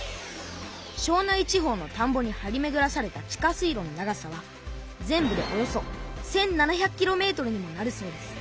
庄内地方のたんぼにはりめぐらされた地下水路の長さは全部でおよそ１，７００キロメートルにもなるそうです。